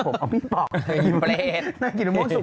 ดำเนินคดีต่อไปนั่นเองครับ